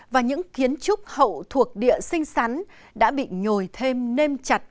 và những kiến trúc hậu thuộc địa sinh sắn đã bị nhồi thêm nêm chặt